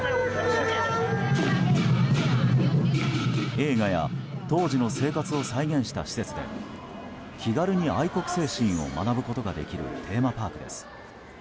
映画や当時の生活を再現した施設で気軽に愛国精神を学ぶことができるテーマパークです。